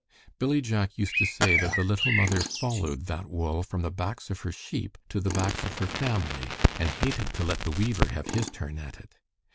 Billy Jack used to say that the little mother followed that wool from the backs of her sheep to the backs of her family, and hated to let the weaver have his turn at it.